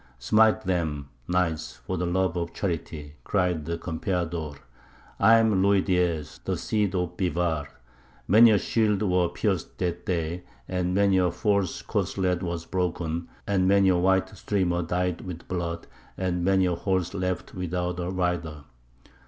Smite them, knights, for the love of charity! cried the Campeador. I am Ruydiez, the Cid of Bivar! Many a shield was pierced that day, and many a false corselet was broken, and many a white streamer dyed with blood, and many a horse left without a rider.